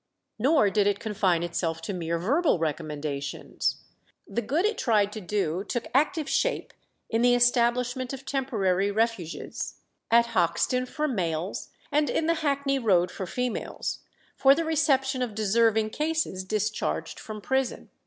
Nor did it confine itself to mere verbal recommendations. The good it tried to do took active shape in the establishment of temporary refuges at Hoxton for males, and in the Hackney Road for females for the reception of deserving cases discharged from prison.